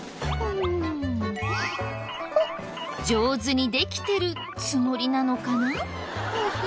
上手にできてるつもりなのかな？